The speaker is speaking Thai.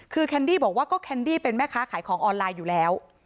คือแคนดี้บอกว่าก็แคนดี้เป็นแม่ค้าขายของออนไลน์อยู่แล้ว